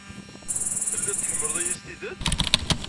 Telliḍ tḥemmleḍ-iyi s tidet?